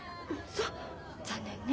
そう残念ね。